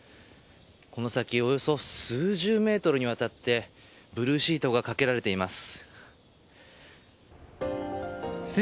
この先およそ数十メートルにわたってブルーシートがかけられています。